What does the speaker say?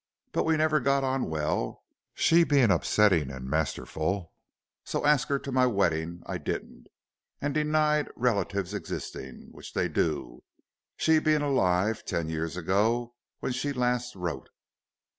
But we never got on well, she being upsettin' and masterful, so arsk her to my weddin' I didn't, and denied relatives existing, which they do, she bein' alive ten years ago when she larst wrote."